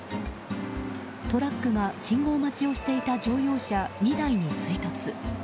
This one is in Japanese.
トラックが信号待ちをしていた乗用車２台に追突。